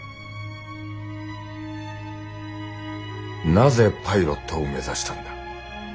なぜパイロットを目指したんだ。